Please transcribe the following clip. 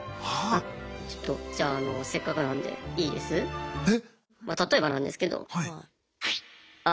ちょっとじゃあせっかくなんでいいです？え？